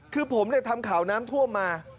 คือผมทำข่าวน้ำท่วมมา